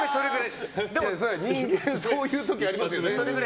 人間そういう時、ありますよね。